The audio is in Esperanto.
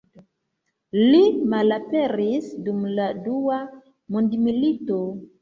Li malaperis dum la dua mondmilito.